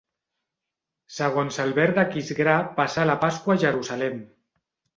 Segons Albert d'Aquisgrà passà la Pasqua a Jerusalem.